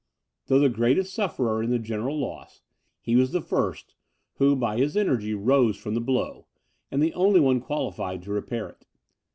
Though the greatest sufferer in the general loss, he was the first who by his energy rose from the blow, and the only one qualified to repair it.